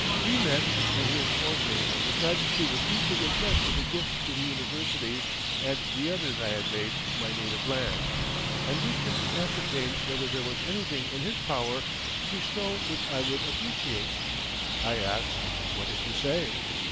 We met and he informed me His Majesty was deeply impressed with the gift to the universities and the others I had made to my native land, and wished him to ascertain whether there was anything in his power to bestow which I would appreciate. I asked: "What did you say?"